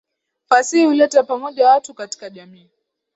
Fasihi huleta pamoja watu katika jamii.